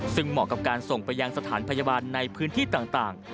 ซึ่งเหมาะกับการส่งไปยังสถานพยาบาลในพื้นที่ต่าง